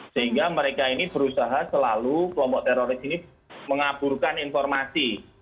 sehingga mereka ini berusaha selalu kelompok teroris ini mengaburkan informasi